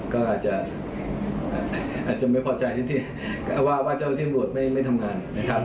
ก็อาจจะไม่พอใจว่าเจ้าที่บริโรธไม่ทำงาน